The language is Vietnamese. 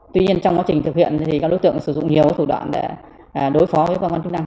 tuy nhiên trong quá trình thực hiện thì các đối tượng sử dụng nhiều thủ đoạn để đối phó với cơ quan chức năng